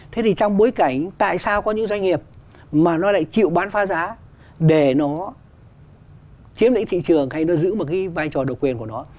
thế thì trong bối cảnh tại sao có những doanh nghiệp mà nó lại chịu bán phá giá để nó chiếm lĩnh thị trường hay nó giữ một cái vai trò độc quyền của nó